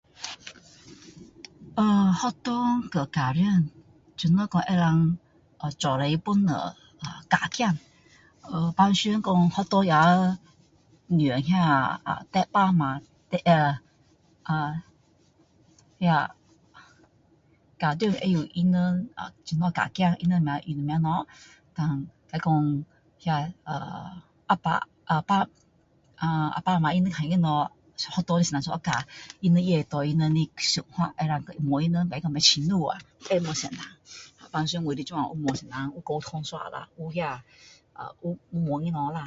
哦，学校和家长, 怎么说要一起帮助？教孩子，平常讲学校也让他阿爸，阿妈 [unintelligible] ahh 那儿 家长知道他们怎么教孩子，他用什么物？当[ahh] [unintelligible] 阿爸，阿妈看见了，学校老师怎么教，他们也拿他的想法。可以问他们，问清楚，问老师，平常我是这样问老师。有沟通一下啦。有啊，有问他物啦!